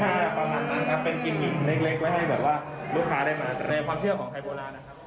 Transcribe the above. ประมาณนั้นครับเป็นกิมมิ่งเล็กไว้ให้แบบว่าลูกค้าได้มาในความเชื่อของไทยโบราณนะครับ